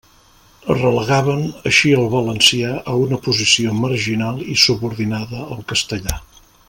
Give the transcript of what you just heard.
Relegaven, així el valencià a una posició marginal i subordinada al castellà.